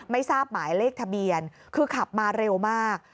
ไม่ทราบหมายเลขทะเบียนคือขับมาเร็วมาก